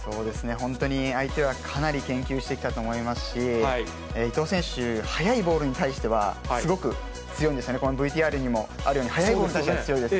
本当に相手はかなり研究してきたと思いますし、伊藤選手、速いボールに対しては、すごく強いんですね、このＶＴＲにもあるように、速いボールにはすごく強いです。